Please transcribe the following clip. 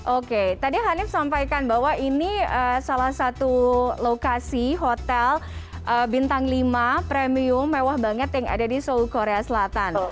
oke tadi hanif sampaikan bahwa ini salah satu lokasi hotel bintang lima premium mewah banget yang ada di seoul korea selatan